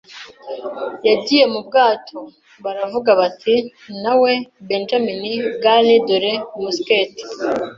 yagiye mu bwato. Baravuga bati: 'Nawe, Benjamin Gunn, dore musketi,'